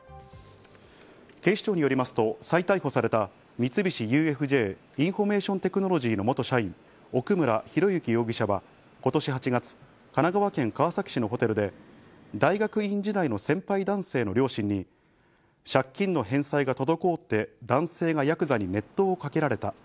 警視庁によりますと、再逮捕された三菱ＵＦＪインフォメーションテクノロジーの元社員・奥村啓志容疑者は今年８月、神奈川県川崎市のホテルで大学院時代の先輩男性の両親に借金の返済が滞って、男性がヤクザに熱湯をかけられた。